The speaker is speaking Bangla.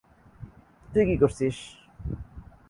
তুই কী করছিস?